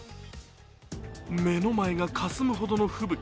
目の前がかすむほどの吹雪。